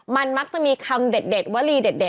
มันมักจะมีคำเด็ดวลีเด็ด